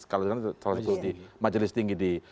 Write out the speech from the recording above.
kalau dikenal salah satu majelis tinggi di